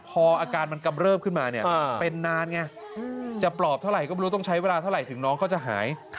พออาการมันกำเริบขึ้นมาเนี่ยเป็นนานไงจะปลอบเท่าไหร่ก็ไม่รู้ต้องใช้เวลาเท่าไหร่ถึงน้องเขาจะหาย